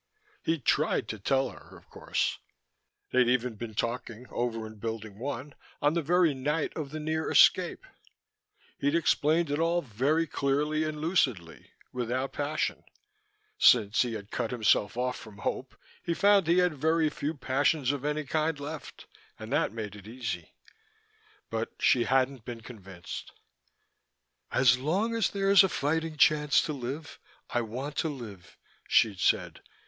He'd tried to tell her, of course. They'd even been talking, over in Building One, on the very night of the near escape. He'd explained it all very clearly and lucidly, without passion (since he had cut himself off from hope he found he had very few passions of any kind left, and that made it easy); but she hadn't been convinced. "As long as there's a fighting chance to live, I want to live," she'd said.